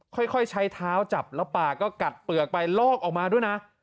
ค่อยใช้เท้าจับแล้วปากก็กัดเปลือกไปลอกออกมาด้วยนะ